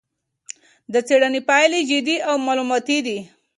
د څېړنې پایلې جدي او معلوماتي دي.